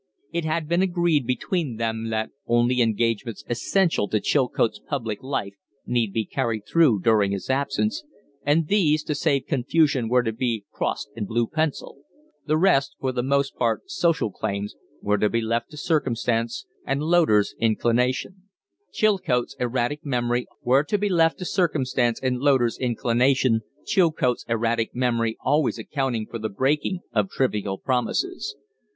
It had been agreed between them that only engagements essential to Chilcote's public life need be carried through during his absence, and these, to save confusion, were to be crossed in blue pencil. The rest, for the most part social claims, were to be left to circumstance and Loder's inclination, Chilcote's erratic memory always accounting for the breaking of trivial promises.